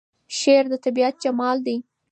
شعر د طبیعت جمال دی.